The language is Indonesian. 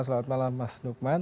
selamat malam mas nukman